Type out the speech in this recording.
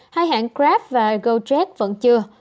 hai hãng grab và gojob